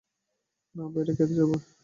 না, বাইরে খেতে যাবে?